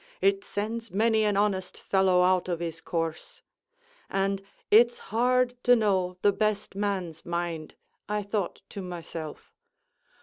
it sends many an honest fellow out of his course); and 'It's hard to know the best man's mind,' I thought to myself.